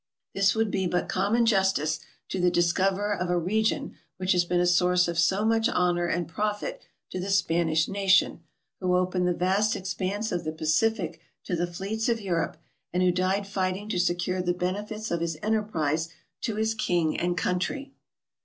This would be but common justice to the discoverer of a region which has been a source of so much honor and profit to the Spanish nation, who opened the vast expanse of the Pacific to the fleets of Europe, and who died fighting to secure the benefits of his enterprise to his king and country.